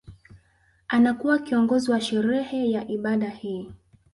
Anakuwa kiongozi wa sherehe ya ibada hii